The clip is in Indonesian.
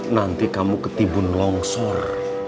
nanti kamu ketimbun longsor